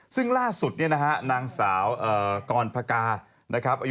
ซึ่งล่าสุดเนี่ยนะฮะนางสาวกรพกานะครับ